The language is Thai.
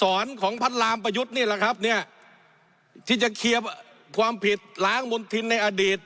สอนของพระรามประยุทธ์นี่แหละครับเนี่ยที่จะเคลียร์ความผิดล้างมณฑินในอดีต